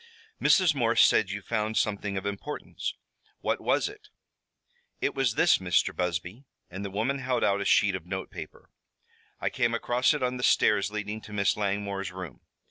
"Mrs. Morse says you found something of importance. What was it?" "It was this, Mr. Busby," and the woman held out a sheet of note paper. "I came across it on the stairs leading to Miss Langmore's room.